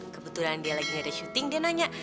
kebetulan dia lagi ada syuting dia nanya